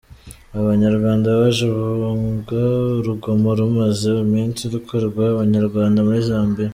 Aba Banyarwanda baje bahunga urugomo rumaze iminsi rukorerwa Abanyarwanda muri Zambia.